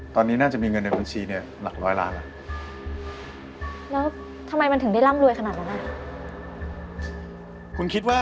ตอนนี้น่าจะมีเงินในเปิดชีเนี่ยหลัก๑๐๐ล้านละ